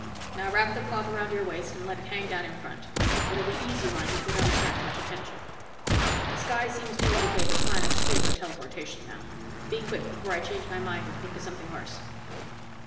Now wrap the cloth around your waist and let it hang down in front. It'll be easier on you if you don't attract much attention. The sky seems to indicate the planets favor teleportation now. Be quick before I change my mind and think of something worse!"